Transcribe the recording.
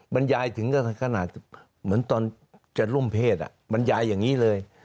บรรยายถึงขนาดเหมือนตอนจะร่วมเพศบรรยายอย่างนี้เลย